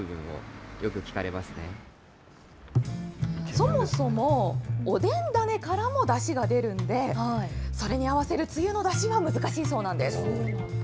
そもそも、おでん種からもだしが出るんで、それに合わせるつゆのだしは難しいそうなんです。